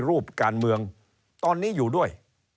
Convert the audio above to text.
รูปการเมืองตอนนี้อยู่ด้วย